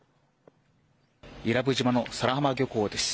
伊良部島の佐良浜漁港です。